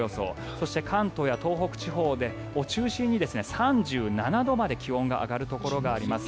そして関東や東北地方を中心に３７度まで気温が上がるところがあります。